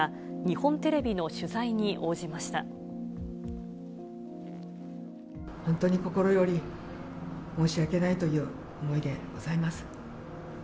本当に心より申し訳ないという思いでございます。